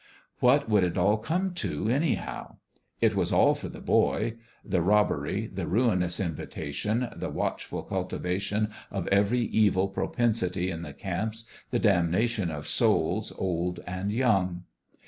What would it all come to, anyhow ? It was all for the boy the robbery, the ruinous in vitation, the watchful cultivation of every evil propensity in the camps, the damnation of souls old and young.